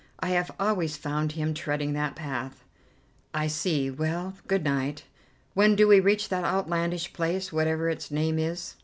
I have always found him treading that path." "I see. Well, good night. When do we reach that outlandish place, whatever its name is?"